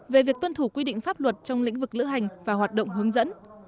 về việc tuân thủ quy định pháp luật trong lĩnh vực lữ hành và hoạt động hướng dẫn